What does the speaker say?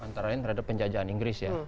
antara lain terhadap penjajahan inggris ya